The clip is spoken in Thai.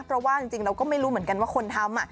เพราะว่าจริงเราก็ไม่รู้เหมือนกันว่าคนทำ